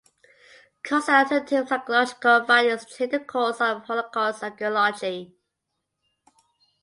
Colls and her team’s archaeological findings changed the course of Holocaust archaeology.